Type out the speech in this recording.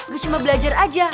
gue cuma belajar aja